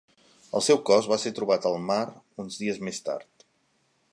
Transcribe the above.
El seu cos va ser trobat al mar, uns dies més tard.